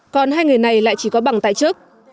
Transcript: còn hai người này lại chỉ có bằng tài chức